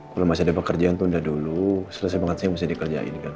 kalau masih ada pekerjaan tunda dulu selesai banget saya bisa dikerjain kan